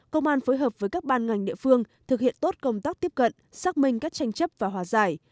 công an phối hợp với các ban ngành địa phương thực hiện tốt công tác tiếp cận xác minh các tranh chấp và hòa giải